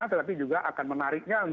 tetapi juga akan menarik kejadian